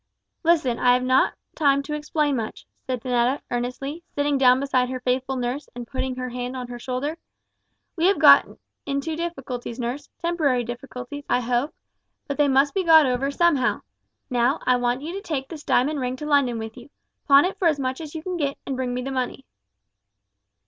"Listen, I have not time to explain much," said Netta, earnestly, sitting down beside her faithful nurse and putting her hand on her shoulder. "We have got into difficulties, nurse temporary difficulties, I hope but they must be got over somehow. Now, I want you to take this diamond ring to London with you pawn it for as much as you can get, and bring me the money."